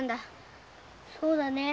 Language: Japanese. そうだね。